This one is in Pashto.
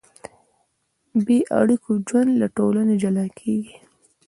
بېاړیکو ژوند له ټولنې جلا کېږي.